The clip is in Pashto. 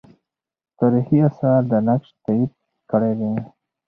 تاریخي آثار دا نقش تایید کړی دی.